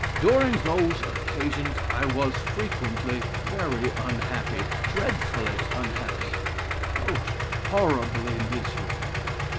During those occasions, I was frequently very unhappy, dreadfully unhappy, most horribly miserable.